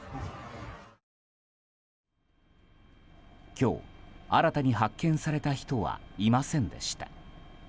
今日新たに発見された人はいませんでした。